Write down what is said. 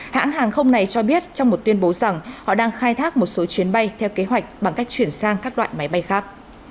hãng hàng không này cho biết trong một tuyên bố rằng họ đang khai thác một số chuyến bay theo kế hoạch bằng cách chuyển sang các loại máy bay khác